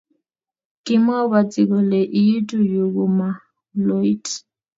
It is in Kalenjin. Kimabwati kole iitu yuu komaloit